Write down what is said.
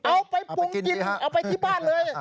เอาไปปรุงกินเอาไปที่บ้านเลย